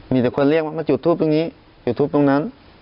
มีแต่คนเรียกมาแล้วอยู่ทุบตรงนี้อยู่ทุบตรงนั้น